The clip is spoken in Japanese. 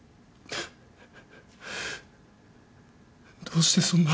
どうしてそんな。